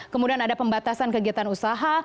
kemudian ada pembatasan kegiatan usaha